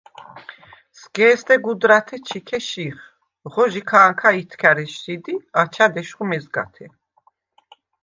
სგ’ე̄სდე გუდრათე ჩიქე შიხ, ღო ჟიქა̄ნქა ითქა̈რ ესშიდ ი აჩა̈დ ეშხუ მეზგათე.